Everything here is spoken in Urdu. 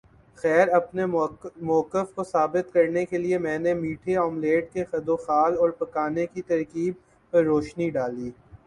خیر اپنے موقف کو ثابت کرنے کے لئے میں نے میٹھے آملیٹ کے خدوخال اور پکانے کی ترکیب پر روشنی ڈالی